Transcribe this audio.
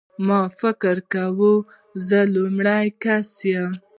ما فکر کاوه زه لومړنی کس یم.